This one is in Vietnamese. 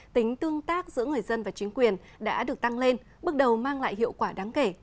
tính tương tác giữa người dân và chính quyền đã được tăng lên bước đầu mang lại hiệu quả đáng kể